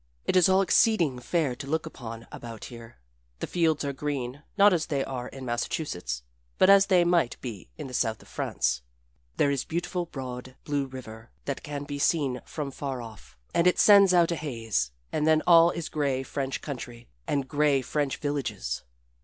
It is all exceeding fair to look upon about here. The fields are green, not as they are in Massachusetts, but as they might be in the south of France. There is a beautiful, broad, blue river that can be seen from far off, and it sends out a haze and then all is gray French country, and gray French villages.